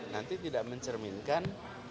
nanti tidak mencerminkan